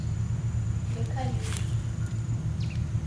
Leka lila